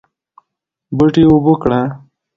بوټي اوبه کړه